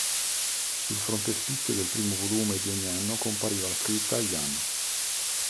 Sul frontespizio del primo volume di ogni anno compariva la scritta: "Jan.